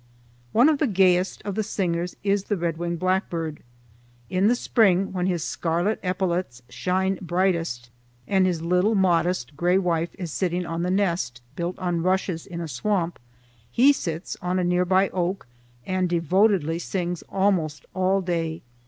One of the gayest of the singers is the redwing blackbird. In the spring, when his scarlet epaulets shine brightest, and his little modest gray wife is sitting on the nest, built on rushes in a swamp, he sits on a nearby oak and devotedly sings almost all day.